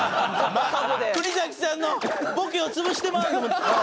「国崎さんのボケを潰してまう！」。